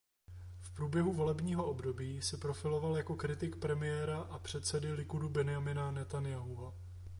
V průběhu volebního období se profiloval jako kritik premiéra a předsedy Likudu Benjamina Netanjahua.